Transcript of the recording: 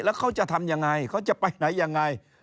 แล้วเขาจะทำยังไงเขาจะไปไหนยังไง